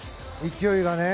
勢いがね。